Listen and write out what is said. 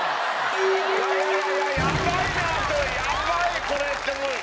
いやいや「やばいなあ」って「やばいこれ」って。